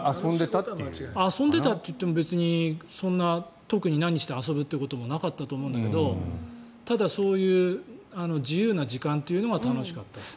遊んでたっていっても特に何して遊ぶということもなかったと思うんだけどただ、そういう自由な時間っていうのが楽しかった。